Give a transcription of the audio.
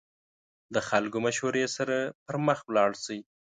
د خلکو مشورې سره پرمخ لاړ شئ.